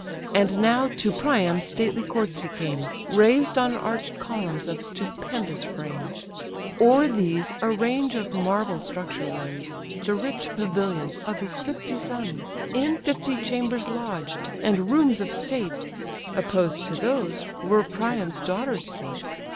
And now to Priam's stately courts he came, Rais'd on arch'd columns of stupendous frame; O'er these a range of marble structure runs, The rich pavilions of his fifty sons, In fifty chambers lodged: and rooms of state, Opposed to those, where Priam's daughters sate.